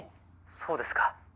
そうですか。